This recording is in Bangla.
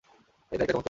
এইটা একটা চমৎকার চমক।